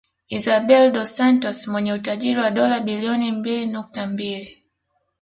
Isabel dos Santos mwenye utajiri wa dola bilioni mbili nukta mbili